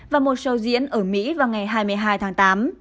và một show diễn ở mỹ vào ngày hai mươi hai tháng tám